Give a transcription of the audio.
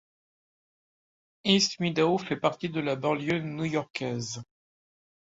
East Meadow fait partie de la banlieue new yorkaise.